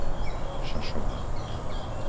Šašová